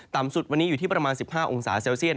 ต่ำสุดวันนี้อยู่ที่ประมาณ๑๕องศาเซลเซียต